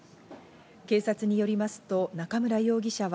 警察によりますと中村容疑者は、